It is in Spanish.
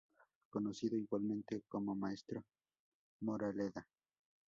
Conocido igualmente como Maestro Moraleda.